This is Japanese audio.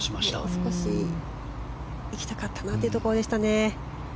もう少しいきたかったなというところでした。